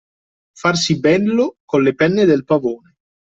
Farsi bello con le penne del pavone.